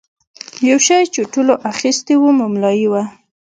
یو شی چې ټولو اخیستی و مملايي وه.